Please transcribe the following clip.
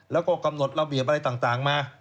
แล้วก็กำหนดระเบียบอะไรต่างมา